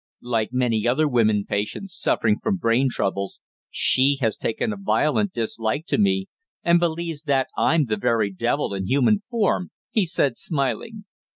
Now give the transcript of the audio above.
"Like many other women patients suffering from brain troubles, she has taken a violent dislike to me, and believes that I'm the very devil in human form," he said, smiling.